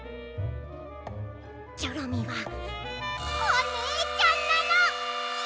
チョロミーはおねえちゃんなのよ！